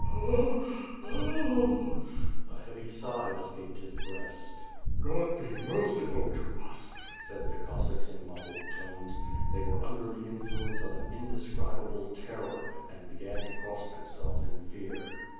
Oh! Oh! Oh!" A heavy sigh escaped his breast "(jiod be merciful to us," said the ('ossacks in muffled tones. They were under the influence of an indescribable terror, and began to cross themselves in fear.